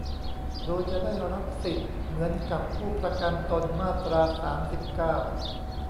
โดยจะได้รับสิทธิ์เหมือนกับผู้ประกันตน มาตรา สามสิบเก้า